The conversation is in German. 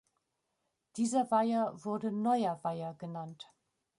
Dieser Weiher wurde Neuer Weiher genannt.